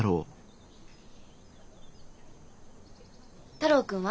太郎君は？